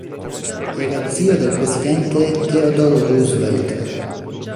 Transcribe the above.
Era zio del presidente Theodore Roosevelt.